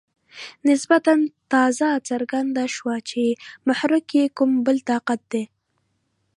نسبتاً تازه څرګنده شوه چې محرک یې کوم بل طاقت دی.